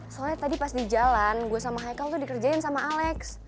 soalnya tadi pas di jalan gue sama haicle tuh dikerjain sama alex